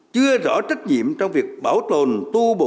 chưa rõ trách nhiệm trong việc bảo tồn tu bổ tôn tạo các di tích di sản